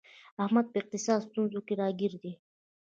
احمد په اقتصادي ستونزو کې راگیر دی